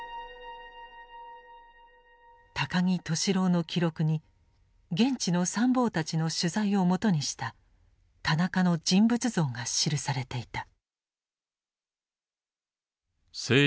高木俊朗の記録に現地の参謀たちの取材を基にした田中の人物像が記されていた。